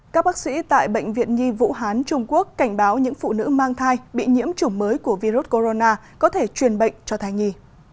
các bác sĩ tại bệnh viện nhi vũ hán trung quốc cảnh báo những phụ nữ mang thai bị nhiễm chủng mới của virus corona có thể truyền bệnh cho thai nhi